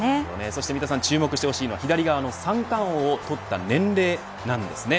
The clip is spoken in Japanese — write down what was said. そして三田さん、注目してほしいは左側の三冠王をとった年齢なんですね。